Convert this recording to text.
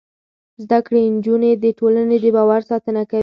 زده کړې نجونې د ټولنې د باور ساتنه کوي.